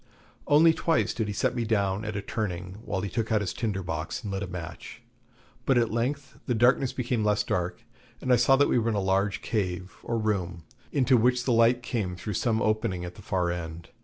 Only twice did he set me down at a turning, while he took out his tinder box and lit a match; but at length the darkness became less dark, and I saw that we were in a large cave or room, into which the light came through some opening at the far end.